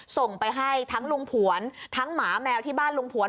ส่งไปให้ทั้งลุงผวนทั้งหมาแมวที่บ้านลุงผวน